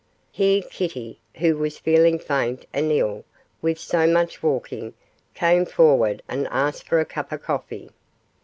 Here Kitty, who was feeling faint and ill with so much walking, came forward and asked for a cup of coffee.